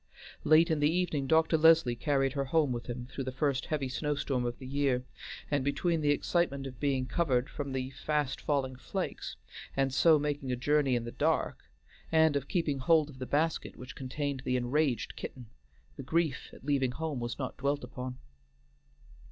Late in the evening Dr. Leslie carried her home with him through the first heavy snow storm of the year, and between the excitement of being covered from the fast falling flakes, and so making a journey in the dark, and of keeping hold of the basket which contained the enraged kitten, the grief at leaving home was not dwelt upon.